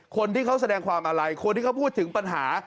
คนที่เขาแสดงความอะไรคนที่เขาพูดถึงปัญหา